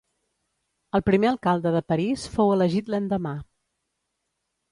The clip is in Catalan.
El primer alcalde de París fou elegit l'endemà.